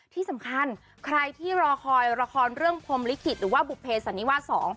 ที่สำคัญใครที่รอคอยละครเรื่องพรมลิขิตหรือว่าบุภเพสันนิวาส๒